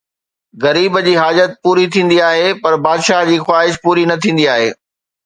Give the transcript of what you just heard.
غريب جي حاجت پوري ٿيندي آهي پر بادشاهه جي خواهش پوري نه ٿيندي آهي